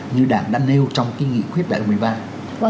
như đảng đã nêu trong nghị quyết đại hội một mươi ba